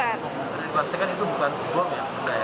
jadi dipastikan itu bukan bom ya